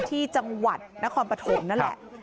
ที่จังหวัดนครปฐมนั่นแหละ